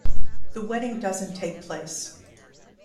The wedding doesn't take place.